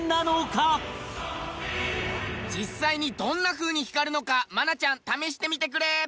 実際にどんな風に光るのか愛菜ちゃん試してみてくれ。